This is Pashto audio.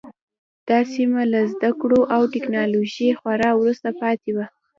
دا سیمه له زده کړو او ټکنالوژۍ خورا وروسته پاتې وه.